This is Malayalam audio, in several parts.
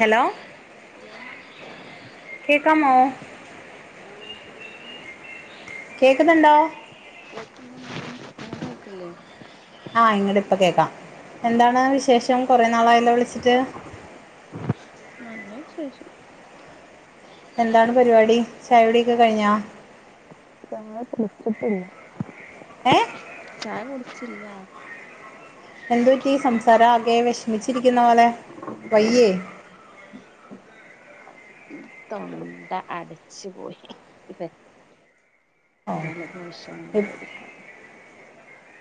ഹലോ ഹലോ കേക്കാമോ കേക്കണ്ട് കേക്കുന്നുണ്ടോ [unintelligible] ഇല്ലേ ആ ഇങ്ങട്ട് ഇപ്പ കേക്കാം എന്താണ് വിശേഷം കുറെ നാളായല്ലോ വിളിച്ചിട്ട് [unintelligible] നല്ലാ വിശേഷം എന്താണ് പരിപാടി ചായ കുടിയൊക്കെ കഴിഞ്ഞോ [unintelligible] ഏ ചായ കുടിച്ചില്ല. എന്തു പറ്റി സംസാരം ആകെ വെഷ്മിച്ചിരിക്കുന്ന പോലെ വയ്യേ? തൊണ്ട അടച്ചു പോയി. ഓ ജലദോഷം മുണ്ടായിരിക്കാം.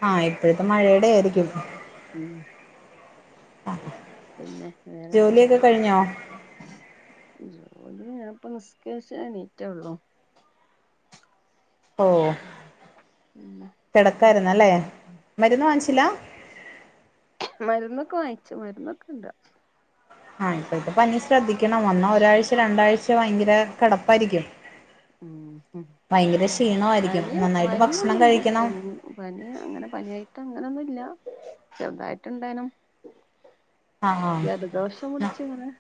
ആഹ് ഇപ്പഴത്തെ മഴയുടെ ആയിരിക്കും. ഉം പിന്നെ വേറെന്ത്ണ്ട്? ജോലിയൊക്കെ കഴിഞ്ഞോ ജോലി ഞാൻ പ്പൊ നിസ്കര്ച്ച് എണീറ്റള്ളൂ. ഓഹ് പിന്നെ കെടക്കായിരുന്നല്ലേ മരുന്ന് വാങ്ങിച്ചില്ല? മരുന്നൊക്കെ വാങ്ങിച്ചു മരുന്നൊക്കെ ണ്ട്. ആഹ് ഇപ്പഴത്തെ പനി ശ്രദ്ധിക്കണം വന്നാ ഒരാഴ്ച, രണ്ടാഴ്ച ഭയങ്കര കെടപ്പായിരിക്കും. ഉം ഉം പനിയോ നന്നായിട്ട് പനിയൊന്ന് ഭക്ഷണം കഴിക്കണം [unintelligible] പനി അങ്ങനെ പനിയായിട്ട് അങ്ങനെന്നുല്ല ചെർതായിട്ട് ഇണ്ടേനും. ആഹ് ജലദോഷം പുട്ച്ചിങ്ങനെ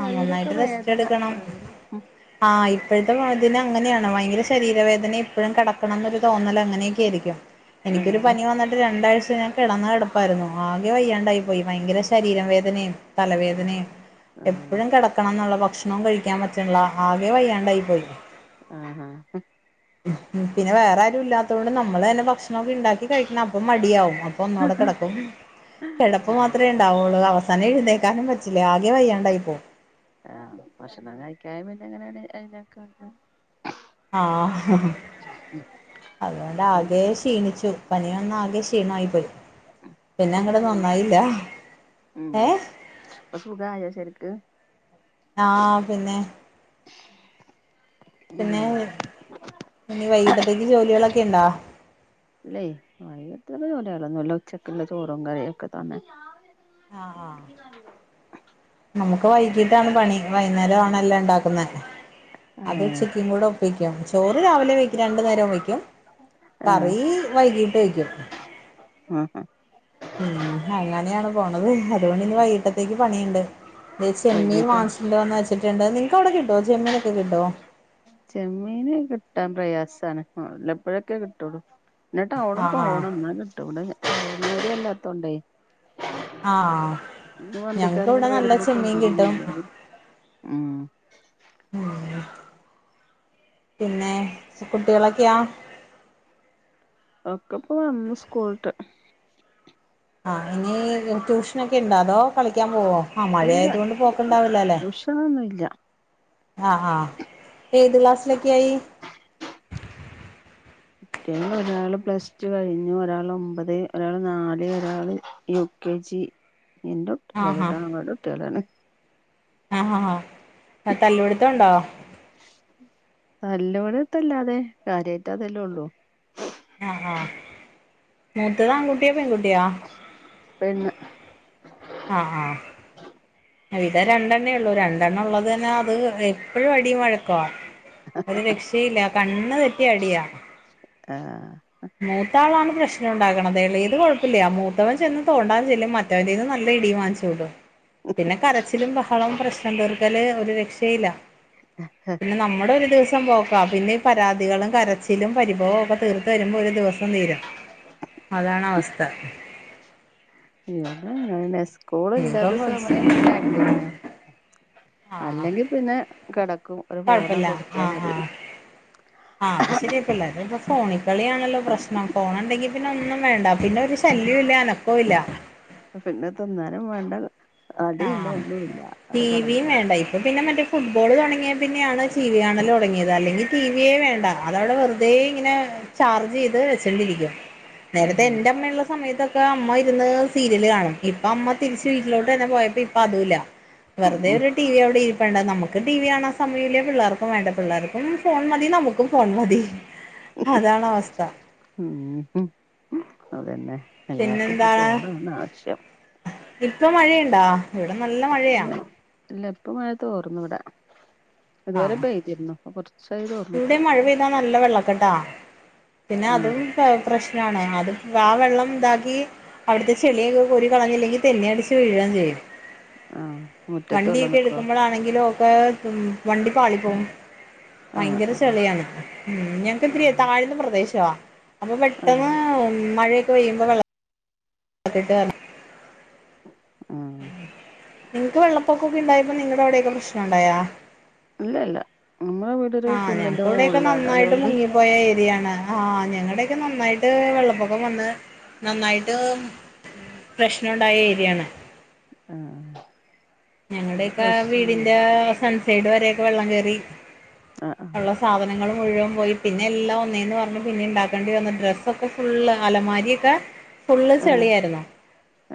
ആഹ് നന്നായിട്ട് റെസ്റ്റ് എടുക്കണം. ഉം ആഹ് ഇപ്പഴത്തെ വതി തിന് അങ്ങനെയാണ് ഭയങ്കര ശരീരവേദനേം എപ്പഴും കെടക്കണം എന്നൊരു തോന്നൽ അങ്ങനെയൊക്കെ ആയിരിക്കും. എനിക്കൊരു ആഹ് പനി വന്ന്ട്ട് രണ്ടാഴ്ച്ച ഞാൻ [unintelligible] കെടപ്പായിരുന്നു ആകെ വയ്യാണ്ടായി പോയി ഭയങ്കര ശരീര വേദനനേം തലവേദനേം എപ്പഴും കെടക്കണം ന്നുള്ള ഭക്ഷണോം കഴിക്കാൻ പ റ്റ്ണള്ള ആകെ വയ്യാണ്ടായി പോയി. ആഹ് ആഹാ ഉം പിന്നെ വേറെ ആരും ഇല്ലാത്തതോണ്ട് നമ്മള് തന്നെ ഭക്ഷണക്കെ ണ്ടാക്കി കഴിക്കണം അപ്പം മടിയാവും. ഒന്നൂടെ കെടക്കും കെടപ്പ് ആഹ് മാത്രേ ണ്ടാവു അവസാനം എഴ്ന്നേക്കാനും പറ്റില്ല ആകെ വയ്യാണ്ടായിപ്പോവും. ആഹ് ഭക്ഷണം കഴിക്കാനുമില്ല അങ്ങനെ ണ്ട് [unintelligible] ആഹ് ഹ് ഹ് അതുകൊണ്ട് ആകെ ഇപ്പൊ ക്ഷീണിച്ചു പനി വന്ന ആകെ ക്ഷീണായി പോയി. പിന്നെ അങ്ങടെന്നും സുഖായോ നന്നായില്ല? ഉം ഏഹ് പ്പൊ സുഖായോ ശരിക്ക്? ആഹ് പിന്നെ ഉം പിന്നെ ഇനി വൈകിട്ടത്തേക്ക് ജോലികളൊക്കെ ഇണ്ടോ? ഇല്ലെ [unintelligible] ജോലിക്കളൊന്നുല്ല ഉച്ചക്ക്ള്ള ചോറും കറിയും ഒക്കെ തന്നെ. ആഹ് ആഹ് [inaudible] നമുക്ക് വൈകിട്ടാണ് പണി വൈകുന്നേരമാണെല്ലോ ണ്ടാക്കുന്നേ അത് ഏഹ് ഉച്ചക്കും കൂടെ വെയ്ക്കും ചോറ് രാവിലെ വെയ്ക്കും രണ്ട് നേരം വെയ്ക്കും ആഹ് കറി വൈകീട്ട് വെയ്ക്കും. ആഹ് ഹ് ഉം അങ്ങനെയാണ് പോണത് അതുകൊണ്ട് ഇന്ന് വൈകിട്ട ത്തേക്ക് പണി ണ്ട് വെൽ ചെമ്മീൻ വൈകിട്ട് വാങ്ങിച്ചോണ്ടോന്ന് ച്ചിട്ടുണ്ട് നിങ്ങക്ക് അവിടെ കിട്ടോ? ചെമ്മീനൊക്കെ കിട്ടോ? ചെമ്മീന് കിട്ടാൻ പ്രയാസാണ് വലപ്പോഴൊക്കെ കിട്ടുള്ളൂ. പിന്നെ ടൗണ് ആഹ് ആഹ് പോണം ന്ന കിട്ടോ [unintelligible] ല്ലാത്തോണ്ടേ. ആഹ് ഇപ്പോ ഞങ്ങക്ക് ഇവിടെ വണ്ടിക്കാരങ്ങനെ നല്ല വരുമ്പോ ചെമ്മീൻ കൊണ്ടുവന്ന കിട്ടും മീനള്. ഉം ഉം പിന്നെ കുട്ടിളൊക്കെയാ? ഒക്കെ ഇപ്പ വന്ന് സ്കൂള്ട്ട്. ആ ഇനി ട്യൂഷനൊക്കെ ണ്ടോ അതോ കളിക്കാൻ പോവോ? ആഹ് മഴ ഇല്ല ആയത് കൊണ്ട് പോക്കണ്ടാവല്ലല്ലേ? ട്യൂഷനൊന്നുല്ല ആഹ് ആഹ് ഏത് ക്ലാസിലൊക്ക ആയി? കുട്ട്യൾ ഒരാള് പ്ലസ് ടു കഴിഞ്ഞു ഒരാൾ ഒമ്പത് ഒരാൾ നാല് ഒരാള് യു കെ ജി എൻ്റെ ആഹാ ട്ട്യളല്ലട്ടോ ആങ്ങളുടെ ട്ട്യളാണ്. ആ ഹാ ഹാ ത തല്ല് വിടുത്ത ണ്ടോ? നല്ലോടെത്തല്ലാതെ കാര്യയിട്ട അതെല്ല ള്ളൂ. ആഹ് ആഹ് മൂത്തതാ ആൺകുട്ട്യാ പെൺകുട്ടിയാ? പെണ്ണ് ആഹ ആ ഇത രണ്ടെണ്ണേ ഉള്ളു രണ്ടെണ്ണ ഉള്ളത് തന്നെ അത് എപ്പോഴും അടിയും മഴക്കവാ. ഒരുത് രക്ഷയില്ല കണ്ണ് തെറ്റിയ അടിയാ ആഹ് മൂത്താളാണ് പ്രശ്നം ഉണ്ടാക്കണതേള്ള ഇത് കുഴപ്പില്ല മൂത്തവൻ ചെന്ന് തോണ്ടാൻ ചെല്ല റ്റന്ന് നല്ല ഇടി വാങ്ങിച്ചുട്ടും പിന്നെ കരച്ചിലും ബഹളവും പ്രശ്നം തോറിക്കാല് ഒരു രക്ഷയില്ല ആഹ പിന്നെ നമ്മുടെ ഒരു ദിവസം പോക്കുക പിന്നെ ഈ പരാതികളും കരച്ചിലും പരിഭവവും ഒക്കെ തീർത്ത വരുമ്പോൾ ഒരു ദിവസം തീരം അതാണ് അവസ്ഥ [unintelligible] സ്കൂള ഇനിയിപ്പോ ഇല്ലാത്ത സമയം പിന്നെ അടന്നെ ആഹ് അല്ലെങ്കിൽ പിന്നെ കിടക്കും ഒരു ഫോണം കൊടുത്താ മതി. ആഹ അത് ശരിയപ്പല്ല ഇപ്പ ഫോണിൽ കളിയാണല്ലോ പ്രശ്നം ഫോണ ഉണ്ടെങ്കിൽ പിന്നെ ഒന്നും വേണ്ട പിന്നെ ഒരു ശല്യം ഇല്ല അനക്കം ഇല്ല. പിന്നെ തിന്നാനും വേണ്ട അടിയില്ല ഒന്നുമല്ല അടെ കടന്നോളും അപ്പൾ പിന്നെ മറ്റേ ഫുട്ബോൾ തുടങ്ങിയ പിന്നെയാണ് ടി വി കാണൽ തുടങ്ങിയത്ല്ലെങ്കിൽ ടി വിയേ വേണ്ട അത അവിടെ വെറു അതേ ഇങ്ങനെ ചാർജ് ചെയ്ത് വെച്ചണ്ടിരിക്കും. നേരത്തെ ആഹ് എന്റെ അമ്മയള്ള സമയത്തൊക്കെ അമ്മ ഇരുന്ന് സീരിയല് കാണും ഇപ്പ അമ്മ തിരിച്ച് വീട്ടിലോട്ട പോയപ്പോ ഇപ്പ അതല്ല ഉം വെറുതെരു ടിവി അവിടെ വണ്ട നമുക്ക് ടി വി ആണൻ സമയമില്ലേ പിള്ളേർക്കും വേണ്ട പിള്ളേർക്കും ഫോൺ മതി നമുക്കും ഫോൺ മതി. അതാണ് അവസ്ഥ ഉ അതന്നെ എല്ലാർക്കും ഇപ്പൊ പിന്നെന്താണ് ഫോണാണ് ആവശ്യം ഇപ്പൊ മഴയുണ്ടാ ഇവിടെ നല്ല മഴയാ പിന്നെ ഇല്ല ഇപ്പ മഴത്ത് തോർന്നു ഇവിടെ ആഹ് ഇതുവരെപ്പഴതിരുന്നു കുറച്ചായ ഇവിടെ മഴ പെയ്താ നല്ല വെള്ളക്കെട്ടാ പിന്നെ ആഹ് അതും പ്രശ്നണ അത് ആ വെള്ളം ഇതാക്കി അവിടുത്തെ ചെളിയൊെ ഒരു കളഞ്ഞില്ലെങ്കിൽ തെന്നെ അടിച്ച് വീഴുകയും ചെയ്യും ആഹ് മുറ്റത്ത് വെള്ളം വണ്ടിൊക്കെ നിക്കുവോ എടുക്കുമ്പോളാണെങ്കിലും ഒക്കെ ഉ വണ്ടി പാളി പോവും. ആഹ് ഭയങ്കര ആഹ് ചെളിയാണ് ഉ ഞങ്ങക്ക്എത്തിരിയാ ആഹ് താഴന്ന പ്രദേശവാ അപ്പൊ ആഹ് പെട്ടെന്ന് മഴയൊക്കെ പെയ്യുമ്പോ വള ആട്ട് ആഹ് നിങ്ങക്ക് വെള്ളപ്പൊക്കൊക്കെ ഇണ്ടായപ്പോ നിങ്ങളടെ അവിടെയൊക്കെ പ്രശ്നം ഉണ്ടായാ? ഇല്ല ഇല്ല നമ്മളെ വീടൊരു ആഹ കുന്നിന്റെ ഞങ്ങക്ക് ഇവിടെൊക്കെ മോളിലാണ് നന്നായിട്ട് അതുകൊണ്ട് മുങ്ങിപ്പോയ ഏരിയാണ് ആഹ് ഞങ്ങളുടെയൊക്കെ നന്നായിട്ട് വെള്ളപ്പൊക്കം വന്ന് നന്നായിട്ട് പ്രശ്നമുണ്ടായ ഏരിയാണ്. ആഹ ഞങ്ങളുടെൊക്കെ വീടിന്റെ സൺസൈഡ് വരൊക്കെ വെള്ളം കേറി ആഹ് ആഹ് ഉള്ള സാധനങ്ങളൾ മുഴുവൻ പോയി പിന്നെ എല്ലാം ഒന്നേന്ന് പറഞ്ഞ് പിന്നെ ഉണ്ടാക്കേണ്ടി വന്ന ഡ്രസ്സൊക്കെ ഫുൾള് അലമാരി ഫുള്ള് ആഹ് ചെളിയായിരുന്നു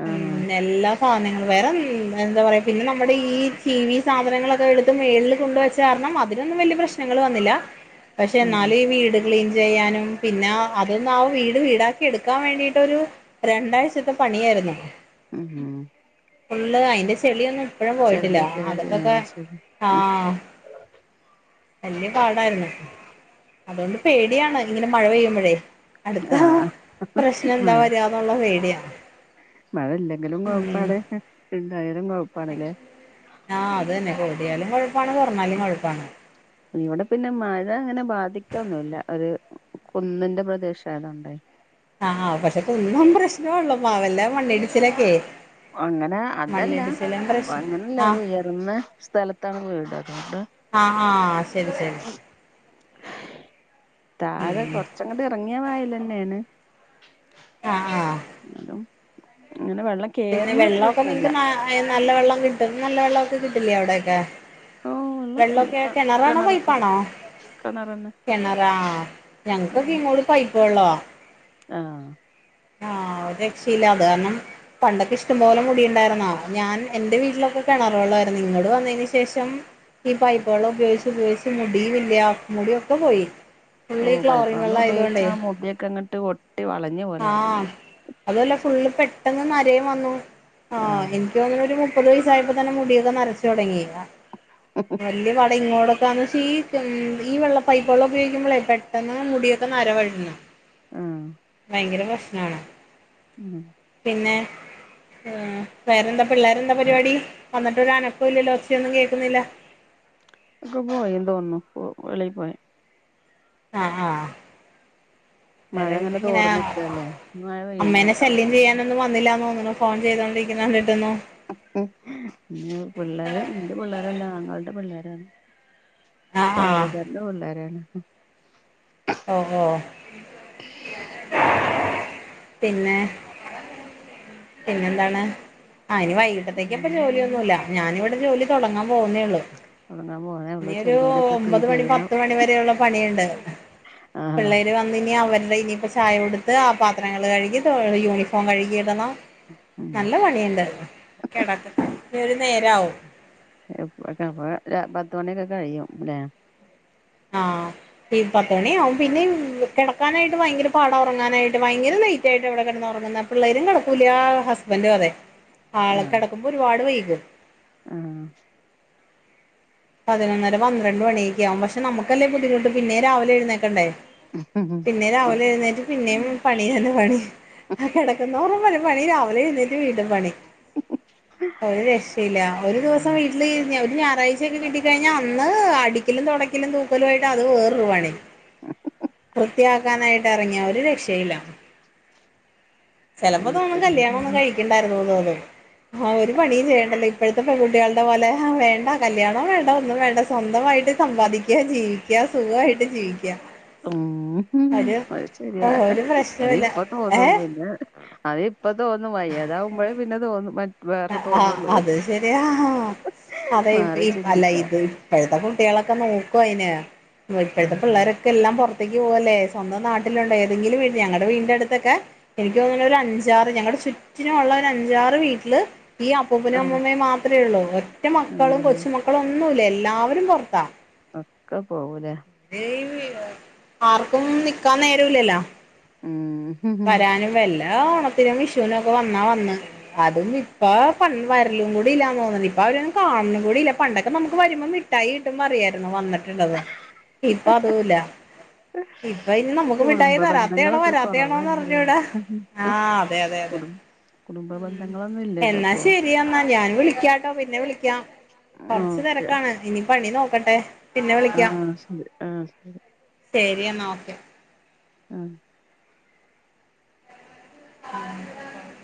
ആഹ് എല്ലാ സാധനങ്ങളും വേറെ എന്താ പറയ പിന്നെ നമ്മുടെ ഈ ചീവി സാധനങ്ങളൊക്കെ എടുത്ത് മേളിൽ കൊണ്ടുവെച്ച കാരണം അതിനൊന്നും വലിയ പ്രശ്നങ്ങൾ വന്നില്ല പക്ഷെ ആഹ് എന്നാലും ഈ വീട് ക്ലീൻ ചെയ്യാനും പിന്നെ അതൊന്ന ആ വീട് വീടാക്കി എടുക്കാൻ വേണ്ടിട്ട്ടൊരു രണ്ടാഴ്ചത്തെ പണിയായിര്ന്നു. ഉ ഉം ഉളള്ള് അയ്ന്റെ ചെളിയൊന്നും ഇപ്പഴും പോയിട്ടില്ല ചെളി കേറി അതൊക്കൊക്കെ ആഹ് ശരി ആഹ് വല്യ പാടായിരുന്നു അതുകൊണ്ട് പേടിയാണ് ഇങ്ങനെ മഴ പെയ്യുമ്പഴേ അടുത്ത ആഹ് പ്രശ്നംന്താ വരിയാന്നുള്ള പേടിയാ മഴല്ലെങ്കിലും ഉം കൊഴ്പ്പാണ് ണ്ടായാലും കൊഴ്പ്പാണല്ലേ ആഹ് അത് തന്നെ കൂടിയാലും കൊഴ്പ്പാണ് കൊർഞ്ഞാലും കൊഴപ്പാണ്. ഇവിടെ പിന്നെ മഴങ്ങനെ ബാധിക്കൊന്നുല്ല ഒരു കുന്നിന്റെ പ്രദേശായതോണ്ടെ. ആഹ് പക്ഷെ കുന്നംപ്രശ്നോള്ളൂ മഴല്ലാം മണ്ണിടിച്ചിലൊക്കെ ഒങ്ങനെ അതല്ല മണ്ണിടിച്ചിലും പ്രശ്നം അങ്ങനല്ല ആഹ് ഒരുയർന്ന സ്ഥലത്താണ് വീട് അതുകൊണ്ട് ആഹ് ആഹ് ആഹ് ശെരി ശെരി താഴെ ഉം കൊർച്ചങ്ങട്ട് ഇറങ്ങിയ വയലന്നെയാണ് ആ ആ ന്നാലും അങ്ങനെ വെള്ളം കേർണ പ്രശ്നല്ല അ നല്ല വെള്ളം കിട്ടും നല്ല വെള്ളൊക്കെ കിട്ടില്ലേ അവിടെയൊക്കെ? ഓ വെള്ളൊക്കെ കെണറാണോ പൈപ്പാണോ? കെണറെന്നെ കെണറാ ഞങ്ങക്കൊക്കെ ഇങ്ങോട്ട് പൈപ്പ് വെള്ളവാ ആഹ് ആഹ് ഒരക്ഷല്ലാത് കാരണം പണ്ടൊക്കെ ഇഷ്ടംപോലെ മുടിണ്ടായിര്ന്ന ഞാൻ എന്റെ വീട്ടിലൊക്കെ കെണർ വെള്ളായിരുന്നു ഇങ്ങട് വന്നയ്ന് ശേഷം ഈ പൈപ്പ് വെള്ളം ഉപയോഗിച്ച് ഉപയോഗിച്ച് മുടിയുല്ല മുടിയൊക്കെ പോയി. ഓ ഫുള്ള് ഈ ക്ലോറിൻ പൈപ്പെള്ളം വെള്ളം ആയതുകൊണ്ടേ ഉപയോഗിച്ചാ മുടിയൊക്കെങ്ങ്ട്ട് ഒട്ടി വളഞ്ഞോ ആ അതല്ല ഫുള്ള് പെട്ടെന്ന് നരയും വന്നു ആ ആഹ് എനിക്ക് തോന്ന്ണെരു മു മുപ്പത് വയസ്സായപ്പോ തന്നെ മുടിയൊക്കെ നരച്ചു തൊടങ്ങി [inaudible] വലിയ പാട ഇങ്ങോടൊക്കാന്ന് ഷീറ്റും ഈ വെള്ള പൈപ്പ് വെള്ളം ഉപയോഗിക്കുമ്പളേ പെട്ടെന്ന് മുടിയൊക്കെ നര [unintelligible] ആ ഭയങ്കര പ്രശ്ണാണ് ഉം പിന്നെ ആ വേറെന്താ പിള്ളേരെന്താ പരിപാടി വന്നിട്ട് ഒരനക്കൊ ഇല്ലല്ലോ ഒച്ചയൊന്നു കേൾക്കുന്നില്ല ഒക്കെ പോയി തോന്നുന്നു പോ വെളിയിൽ പോയി ആഹ് ആഹ് മഴ വേറെ ഇങ്ങനെ തോർന്ന്ക്കല്ലേ ഇനി മഴ അമ്മേനെ ശല്യം പെയ്യുമ്പഴേ ചെയ്യാനൊന്നും വന്നില്ല തോന്നുണു ഫോൺ ചെയ്തുകണ്ടിരിക്കുന്നത് സമയത്ത് വന്നു ഇ പിള്ളോര് എന്റെ പിള്ളേരെല്ല അങ്ങൾടെ പിള്ളോരാണ് ആഹ് ആഹ് സഹോദര്ന്റെ പിള്ളേരാണ് ഓഹോ പിന്നെ പിന്നെന്താണ് ആ ഇനി വൈകിട്ടത്തേക്കപ്പ പിന്നെന്താ ജോലിയൊന്നുല്ല. ഞാനിവിടെ ജോലി തൊടങ്ങാൻ പോകുന്നേള്ളൂ. ഒറങ്ങാൻ പോന്നേ ഉള്ളൂ ഇനിയൊരു ചെമ്മീനൊക്കെ ക്ലീൻ ഒമ്പത് മണി, ചെയ്യണം പത്ത് മണി വരെയുള്ള പണിയുണ്ട്. ആഹ് ഇവര് വന്ന് ഇനി അവര്ടെ ഇനിയിപ്പോ ചായ കൊടുത്ത് ആ പാത്രങ്ങൾ കഴുകി യൂണിഫോം കഴുകി ഇടണം. ഉം നല്ല പണിയുണ്ട് കെടക്ക ഒരു നേരാവും ക്കെ അപ്പൊ പത്ത്മണിയൊക്കെ കഴിയും ലേ ആഹ് ഈ പത്ത് മണി ആകും പിന്നെ കെടക്കാനായിട്ട് ഭയങ്കര പാട ഒറങ്ങാനായിട്ട് ഭയങ്കര ലൈറ്റ് ആയിട്ട് ഇവിടെ കെടന്ന് ഒറങ്ങുന്നെ പിള്ളേരും കെടക്കൂല്ല ആ ഹസ്ബൻഡും അതെ ആള് ആഹ് കെടക്കുമ്പ ഒരുപാട് വൈകും. ആഹ് പതിനൊന്നര പന്ത്രണ്ട് മണിയൊക്ക ആകും പക്ഷെ നമുക്കല്ലേ ബുദ്ധിമുട്ട് പിന്നേം രാവിലെ എഴുന്നേക്കണ്ടേ പിന്നേം രാവിലെ എഴുന്നേറ്റ് പിന്നേം പണി തന്നെ പണി ആ കെട [unintelligible] വരെ പണി രാവിലെഴുന്നേറ്റ് വീണ്ടും പണി ഒരു രക്ഷയില്ല ഒരു ദിവസം വീട്ടില് ഒരു ഞായറാഴ്ച [unintelligible] ക്കെ കിട്ടി കഴിഞ്ഞാ അന്ന് അടിക്കലും തൊടക്കലും തൂക്കലുമായിട്ട് അത് വേറരുപണി. വൃത്തിയാക്കാനായിട്ട് എറങ്ങിയ ഒരു രക്ഷെയില്ല ചെലപ്പോ വീട്ട് തോന്നും കല്യാണം ഒന്നും ജോലിയാണ് കഴിക്ക [unintelligible] ആ ഒരു പണീം ചെയ്യണ്ടല്ലോ ഇപ്പഴത്തെ പെൺകുട്ടികളുടെ പോലെ വേണ്ട കല്യാണോം വേണ്ട ഒന്നും വേണ്ട സ്വന്തമായിട്ട് സമ്പാദിക്കുക ജീവിക്കുക സുഖമായിട്ട് ജീവിക്കുക ഉം ഒരു അത് ശരിയാ ഒരു അത് പ്രശ്നവുമില്ല ഇപ്പൊ തോന്നും ഏഹ് പിന്ന അത് ഇപ്പ തോന്നും വയ്യതാകുമ്പോഴേ പിന്ന തോന്നും മ ആഹ് അത് ശരിയാ അതെ ഇപ്പ മാറി ഇ അല്ല ചിന്തിക്ക ഇത് ഇപ്പഴുത്ത കുട്ടികളക്ക നോക്കു അയിനെ ഇപ്പഴുത്ത ആഹ് പുള്ളാര ഒക്ക എല്ലാം പൊറത്തേക്ക് പോക അല്ലേ സ്വന്തം നാട്ടിലുണ്ടോ ഏതെങ്കിലും വീട്ടി ഞങ്ങട വീടിന്റ അടുത്തക്കെ എനിക്ക് തോന്നണ് ഒരു അഞ്ചാറ് ഞങ്ങളുടെ ചുറ്റിനും ഒള്ള ഒരു അഞ്ചാറ് വീട്ടില് ഈ അപ്പൂപ്പനും ആഹ് അമ്മുമ്മേം മാത്രേ എള്ളൂ ഒറ്റ മക്കളും കൊച്ചു മക്കളും ഒന്നുല്ല എല്ലാവരും പൊറത്താ ഒക്ക പോവൂലെ [unintelligible] ആർക്കും നിക്കാൻ നേരം ഇല്ലല്ലാ ഉം വരാനും വല്ല ഓണത്തിനും വിഷുനൊക്കെ വന്നാ വന്ന് അതും ഇപ്പ പ വരലും കൂടി ഇല്ലാന്ന് തോന്നണ് ഇപ്പ അവരൊന്നും കാണണും കൂടി ഇല്ല പണ്ടൊക്കെ നമുക്ക് വരുമ്പ മി ട്ടായി കിട്ടുമ്പ അറിയാരുന്നു വന്നിട്ട് [unintelligible] ഇപ്പ അതൂല്ല ഇപ്പ ഇനി ഇപ്പൊ നമുക്ക് മിട്ടായി കുടുംബ തരാത്തേണോ ബന്ധങ്ങളൊക്കെ വരാ [unintelligible] ആണോന്ന് കൊറവല്ലേ അറിഞ്ഞു കൂടാ ആഹ് അതെ അതെ അതെ കുടും കുടുംബ ഉം ബന്ധങ്ങളൊന്നും ഇല്ലല്ലോ എന്നാ ഇപ്പൊ ശരി എന്നാൽ ഞാൻ വിളിക്കാട്ടോ പിന്നെ വിളിക്കാം കൊറച്ചു ഓക്കെ തിരക്കാണ് ഇനി പണി നോക്കട്ടെ പിന്നെ വിളിക്കാം ആഹ് ശരി ആഹ് ശരി ശരി എന്നാ ഓക്കെ ഉം [unintelligible]